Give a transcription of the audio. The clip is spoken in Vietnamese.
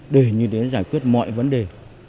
để giải quyết mọi vấn đề